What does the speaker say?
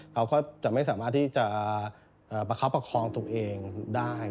เขาก็จะไม่สามารถที่จะประคับประคองตัวเองได้